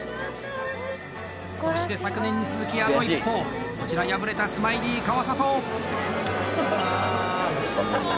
そして、昨年に続きあと一歩こちら敗れたスマイリー川里。